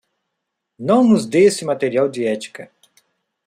Não nos dê esse material de ética.